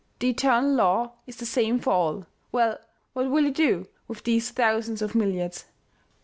The eternal law is the same for all. Well ! What will you do with these thousands of milliards